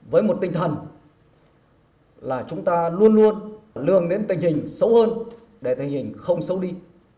với một tinh thần là chúng ta luôn luôn lường đến tình hình xấu hơn để tình hình không xấu đi